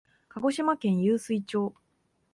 鹿児島県湧水町